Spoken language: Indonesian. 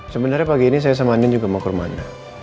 sebenernya pagi ini saya sama anin juga mau ke rumah anin